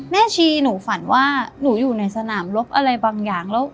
ชีหนูฝันว่าหนูอยู่ในสนามรบอะไรบางอย่างแล้ว